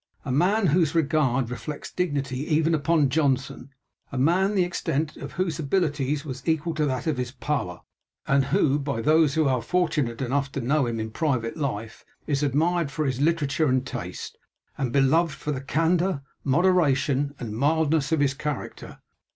a man whose regard reflects dignity even upon JOHNSON; a man, the extent of whose abilities was equal to that of his power; and who, by those who are fortunate enough to know him in private life, is admired for his literature and taste, and beloved for the candour, moderation, and mildness of his character.